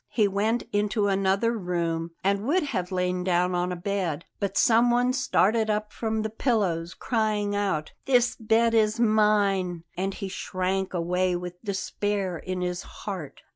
He went into another room and would have lain down on a bed, but someone started up from the pillows, crying out: "This bed is mine!" and he shrank away with despair in his heart.